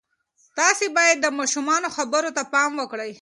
تاسې باید د ماشومانو خبرو ته پام وکړئ.